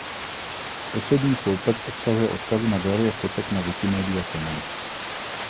Poslední sloupec obsahuje odkazy na galerie fotek na Wikimedia Commons.